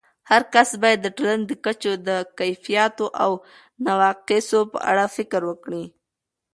هرکس باید د ټولنې د کچو د کیفیاتو او نواقصو په اړه فکر وکړي.